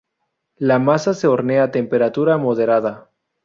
La masa se hornea a temperatura moderada.